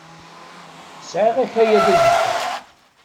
Sɛiɣ akayad azekka.